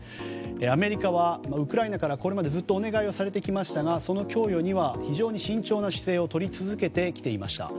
アメリカはウクライナからこれまでずっとお願いされてきましたがその供与には非常に慎重な姿勢を取り続けてきていました。